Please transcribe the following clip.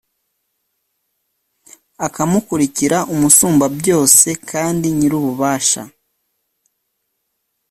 akamurikira Umusumbabyose kandi Nyir’ububasha